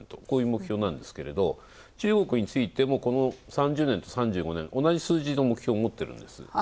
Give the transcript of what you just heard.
こういう目標なんですけど中国についても、３０年と３５年、同じ数字の目標を持っているんです。